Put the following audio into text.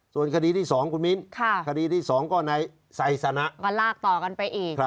ส่วนคดีที่๒คุณมิ้นคดีที่๒ก็ในไซสนะก็ลากต่อกันไปอีก